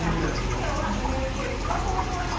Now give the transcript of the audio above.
きょうはＮＨＫ千葉放送局